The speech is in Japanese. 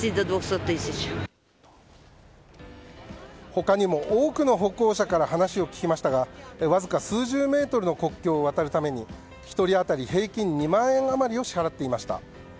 他にも、多くの歩行者から話を聞きましたがわずか数十メートルの国境を渡るために１人当たり平均２万円余りを支払っていました。